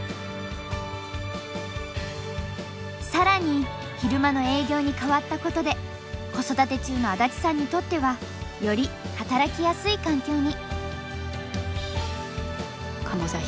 更に昼間の営業に変わったことで子育て中の安達さんにとってはより働きやすい環境に。